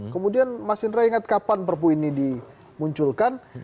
kemudian mas indra ingat kapan perpu ini dimunculkan